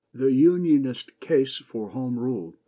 ] THE "UNIONIST" CASE FOR HOME RULE.